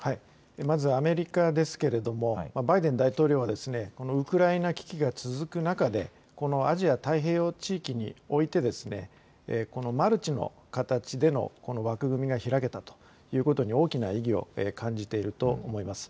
まずアメリカですけれども、バイデン大統領は、このウクライナ危機が続く中で、アジア太平洋地域において、このマルチの形での枠組みが開けたということに大きな意義を感じていると思います。